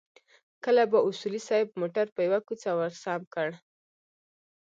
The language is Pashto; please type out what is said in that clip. کله به اصولي صیب موټر پر يوه کوڅه ورسم کړ.